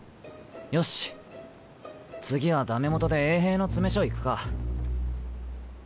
よし次はダメ元で衛兵の詰め所行くか。